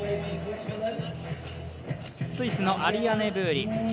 スイスのアリアネ・ブーリ